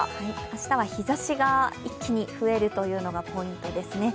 明日は日ざしが一気に増えるのがポイントですね。